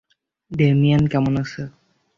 Damien কেমন আছে?